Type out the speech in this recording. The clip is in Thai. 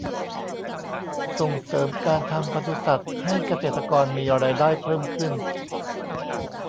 ส่งเสริมการทำปศุสัตว์ให้เกษตรกรมีรายได้เพิ่มขึ้น